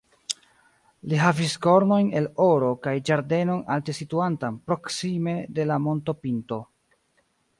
Li havis kornojn el oro kaj ĝardenon alte situantan, proksime de la montopinto.